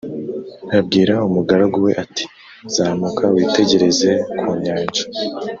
Abwira umugaragu we ati “Zamuka witegereze ku nyanja”